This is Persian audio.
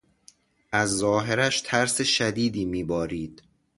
از ظاهرش ترس شدیدی میبارید.